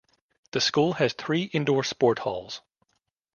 The school has three indoor sport halls.